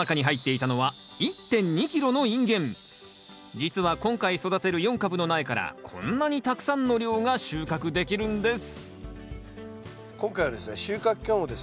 実は今回育てる４株の苗からこんなにたくさんの量が収穫できるんです